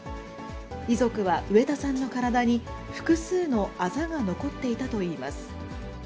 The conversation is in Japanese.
遺族は植田さんの体に複数のあざが残っていたといいます。